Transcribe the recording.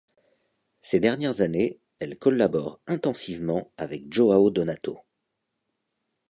Ces dernières années, elle collabore intensivement avec João Donato.